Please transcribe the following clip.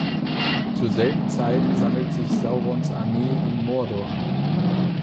Zur selben Zeit sammelt sich Saurons Armee in Mordor.